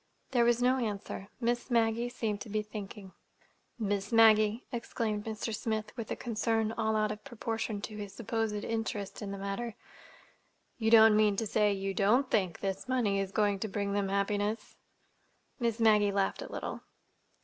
There was no answer. Miss Maggie seemed to be thinking. "Miss Maggie," exclaimed Mr. Smith, with a concern all out of proportion to his supposed interest in the matter, "you don't mean to say you don't think this money is going to bring them happiness!" Miss Maggie laughed a little.